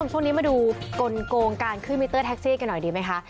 ช่วงนี้มาดูกลงการขึ้นมิเตอร์แท็กซี่กันหน่อยดีไหมคะ